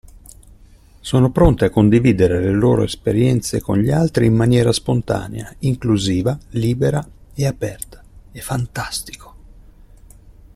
Sono pronte a condividere le loro esperienze con gli altri in maniera spontanea, inclusiva, libera e aperta è fantastico.